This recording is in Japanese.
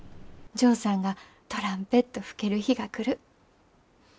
ジョーさんがトランペット吹ける日が来る。